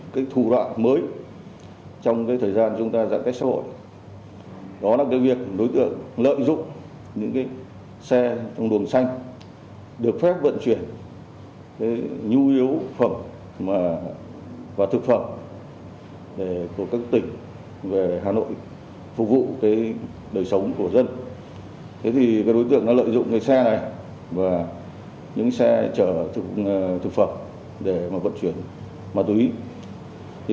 thế thì đối tượng đã lợi dụng xe này và những xe chở thực phẩm để vận chuyển ma túy